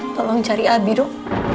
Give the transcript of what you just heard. tolong cari abi itulah